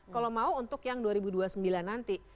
kalau mau untuk yang dua ribu dua puluh sembilan nanti